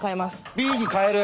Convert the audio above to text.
Ｂに変える！